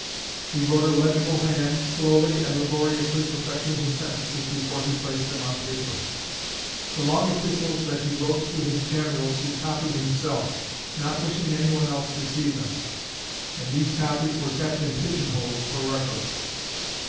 He wrote a legible hand, slowly and laboriously perfecting his sentences before he placed them on paper. The long epistles that he wrote to his generals he copied himself, not wishing anyone else to see them, and these copies were kept in pigeon holes for reference....